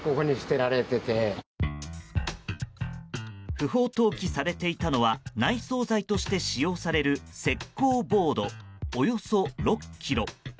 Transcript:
不法投棄されていたのは内装材として使用される石膏ボード、およそ６ｋｇ。